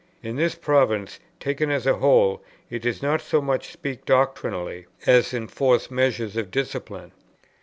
In this province, taken as a whole, it does not so much speak doctrinally, as enforce measures of discipline.